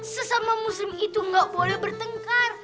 sesama muslim itu gak boleh bertengkar